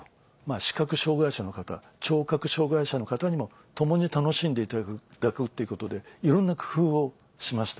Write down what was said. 視覚障がい者の方聴覚障がい者の方にも共に楽しんでいただくっていうことでいろんな工夫をしました。